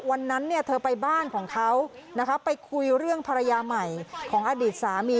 วันนั้นเนี่ยเธอไปบ้านของเขานะคะไปคุยเรื่องภรรยาใหม่ของอดีตสามี